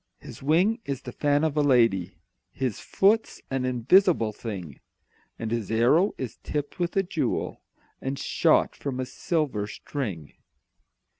His wing is the fan of a lady, His foot's an invisible thing, And his arrow is tipped with a jewel, And shot from a silver string.